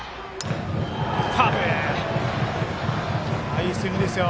いいスイングですよ。